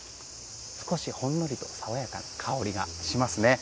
少しほんのりと爽やかな香りがしますね。